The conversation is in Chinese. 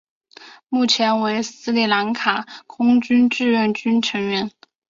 目前为斯里兰卡空军志愿军成员。